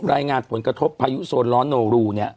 รายงานตกันเกียรติภายุโซนร้อนโนรูเนี่ย